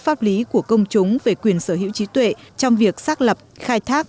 pháp lý của công chúng về quyền sở hữu trí tuệ trong việc xác lập khai thác